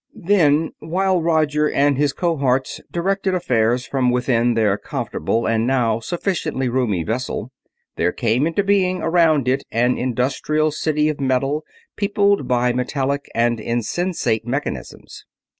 Then while Roger and his cohorts directed affairs from within their comfortable and now sufficiently roomy vessel, there came into being around it an industrial city of metal peopled by metallic and insensate mechanisms.